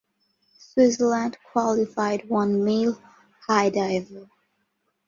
Switzerland qualified one male high diver.